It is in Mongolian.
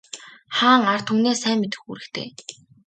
Хаан ард түмнээ сайн мэдэх үүрэгтэй.